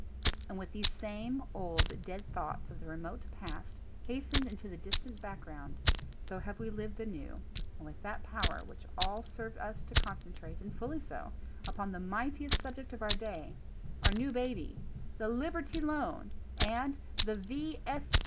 And with these same old, dead thoughts of the remote past hastened into the distant background, so have we lived anew, and with that power which will serve us to concentrate, and fully so, upon the mightiest subject of our day — Our New Baby— the "Liberty Loan" and the "V.